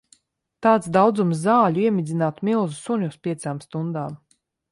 Tāds daudzums zaļu iemidzinātu milzu suni uz piecām stundām.